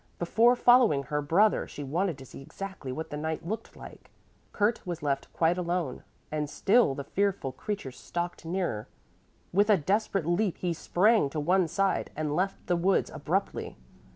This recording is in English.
Before following her brother she wanted to see exactly what the knight looked like. Kurt was left quite alone, and still the fearful creature stalked nearer. With a desperate leap he sprang to one side and left the woods abruptly.